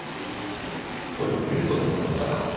とでも言うとでも思った？